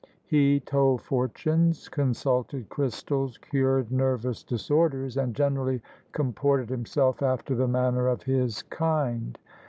He told fortunes, consulted crystals, cured nervous disorders, and generally comported himself after the manner of his kind.